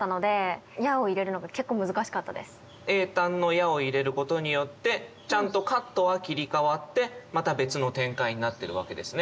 詠嘆の「や」を入れることによってちゃんとカットは切り替わってまた別の展開になってるわけですね。